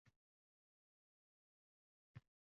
Turmush mustahkamligiga ikki tarafdan harakat qilinadi